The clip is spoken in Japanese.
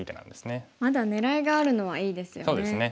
まだ狙いがあるのはいいですよね。